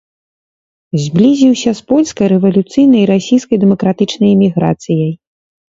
Зблізіўся з польскай рэвалюцыйнай і расійскай дэмакратычнай эміграцыяй.